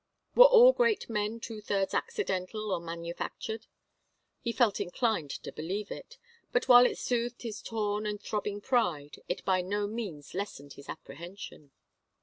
Were all great men two thirds accidental or manufactured? He felt inclined to believe it, but while it soothed his torn and throbbing pride, it by no means lessened his apprehension.